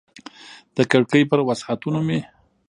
د کړکۍ پر وسعتونو مې